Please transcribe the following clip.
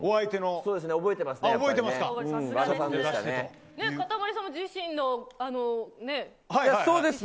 そうですねやっぱり覚えてますね。